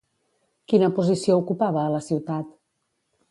Quina posició ocupava a la ciutat?